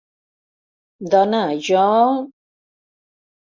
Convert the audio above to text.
Dona, jo...